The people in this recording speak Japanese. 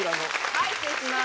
はい失礼します。